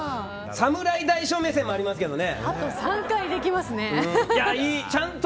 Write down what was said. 侍大将目線もありますけどね。